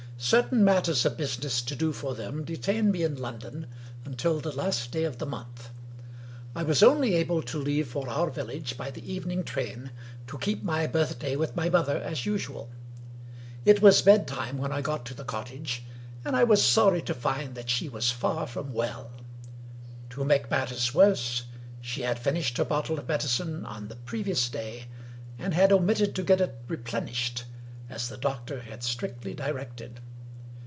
Certain matters of business to do for them de tained me in London until the last day of the month. I was only able to leave for our village by the evening train, to keep my birthday with my mother as usual. It was bed time when I got to the cottage; and I was sorry to find that she was far from well. To make matters worse, she had finished her bottle of medicine on the previous day, and had omitted to get it replenished, as the doctor had strictly directed.